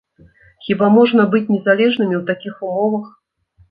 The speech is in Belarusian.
Хіба можна быць незалежнымі ў такіх умовах?